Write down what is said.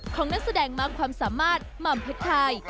นักแสดงมากความสามารถหม่ำเพชรไทย